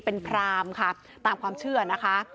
เป็นพรามค่ะตามความเชื่อนะคะ